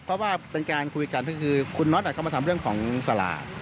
เพราะว่าเป็นการคุยกันคุณไนท์เขาก็มาสาหร่าคสาราไอ้ขุม